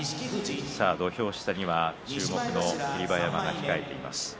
土俵下には霧馬山が控えています。